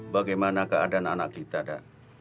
bagaimana keadaan anak kita dan